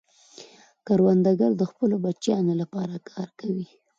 کروندګر د خپلو بچیانو لپاره کار کوي